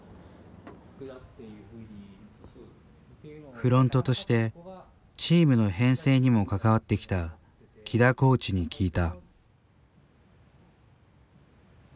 フロントとしてチームの編成にも関わってきた木田コーチに聞いた。